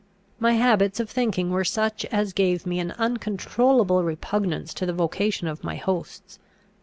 My habits of thinking were such as gave me an uncontrollable repugnance to the vocation of my hosts.